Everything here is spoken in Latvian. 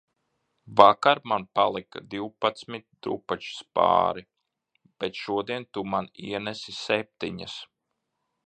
Vakar man palika divpadsmit drupačas pāri, bet šodien tu man ienesi septiņas